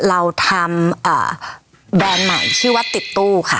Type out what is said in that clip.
เราทำแบรนด์ใหม่ชื่อว่าติดตู้ค่ะ